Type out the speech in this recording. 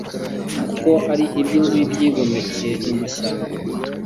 kuko ari ab inzu y 'ibyigomeke mumashyamba